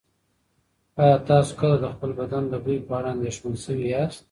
ایا تاسو کله د خپل بدن د بوی په اړه اندېښمن شوي یاست؟